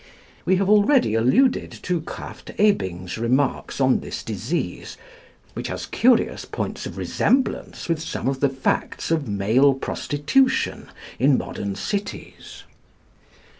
We have already alluded to Krafft Ebing's remarks on this disease, which has curious points of resemblance with some of the facts of male prostitution in modern cities.